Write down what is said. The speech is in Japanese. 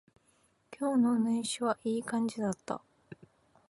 今日の練習はいい感じだった